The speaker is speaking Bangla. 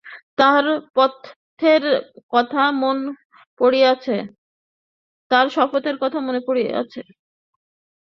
তাঁহার শপথের কথা মন পড়িয়াছে।